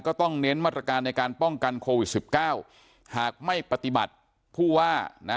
ต้องเน้นมาตรการในการป้องกันโควิดสิบเก้าหากไม่ปฏิบัติผู้ว่านะ